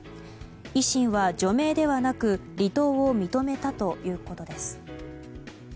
維新は除名ではなく離党を認めたということです。